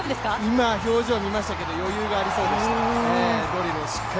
今、表情見ましたけど余裕がありそうでした。